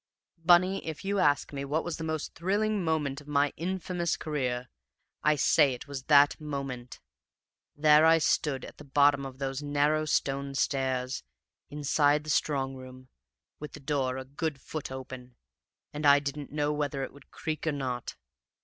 "Bunny, if you ask me what was the most thrilling moment of my infamous career, I say it was that moment. There I stood at the bottom of those narrow stone stairs, inside the strong room, with the door a good foot open, and I didn't know whether it would creak or not.